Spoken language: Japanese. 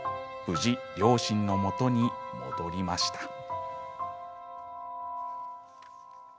無事、両親のもとに戻りました。